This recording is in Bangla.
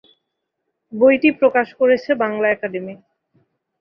বইটি প্রকাশ করেছে বাংলা একাডেমি।